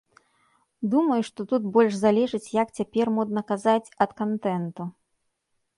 Думаю, што тут больш залежыць, як цяпер модна казаць, ад кантэнту.